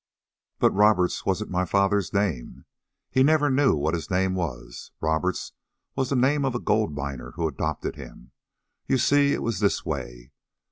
"But Roberts wasn't my father's name. He never knew what his name was. Roberts was the name of a gold miner who adopted him. You see, it was this way.